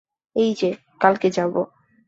এই যে, কালকে যাব।